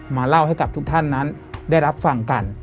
เล่าให้กับทุกท่านนั้นได้รับฟังกัน